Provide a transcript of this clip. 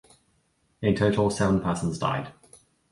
In total, seven persons died.